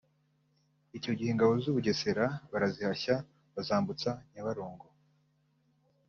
Icyo gihe ingabo z’u Bugesera barazihashya bazambutsa Nyabarongo